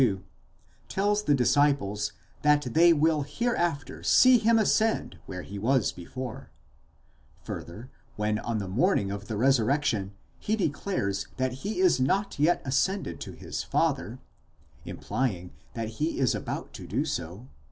62) tells the disciples that they will hereafter see him ascend where he was before ; further, when on the morning of the resurrection he declares that he is not yet ascended to his Father, implying that he is about to do so (xx.